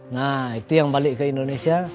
nah itu yang balik ke indonesia